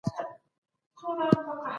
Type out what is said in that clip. حق د انتخاب لري